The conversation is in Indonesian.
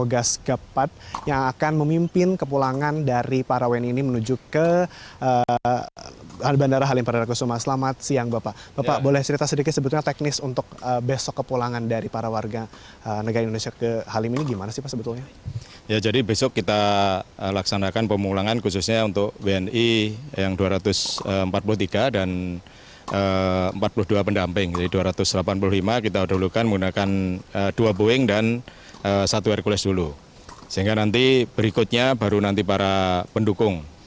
kegiatan pagi hari dilakukan seperti biasa dengan warga negara indonesia menunjukkan hasil yang selalu baik